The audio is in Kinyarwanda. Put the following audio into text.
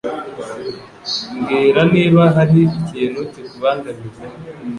Mbwira niba hari ikintu kikubangamiye.